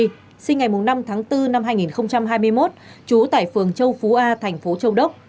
sinh ngày năm tháng bốn năm hai nghìn hai mươi một trú tại phường châu phú a thành phố châu đốc